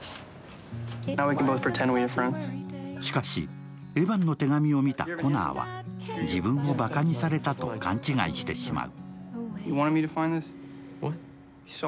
しかし、エヴァンの手紙を見たコナーは自分をバカにされたと勘違いしてしまう。